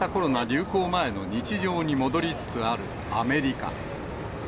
流行前の日常に戻りつつあるアメリカ。